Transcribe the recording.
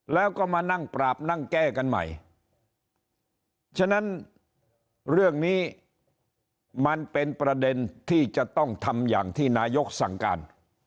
แล้วก็มานั่งปราบนั่งแก้กันใหม่ฉะนั้นเรื่องนี้มันเป็นประเด็นที่จะต้องทำอย่างที่นายกสั่งการ